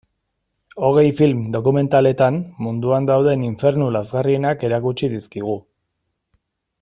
Hogei film dokumentaletan munduan dauden infernu lazgarrienak erakutsi dizkigu.